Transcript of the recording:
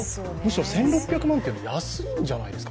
１６００万って安いんじゃないですか？